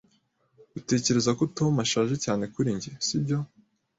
Utekereza ko Tom ashaje cyane kuri njye, sibyo?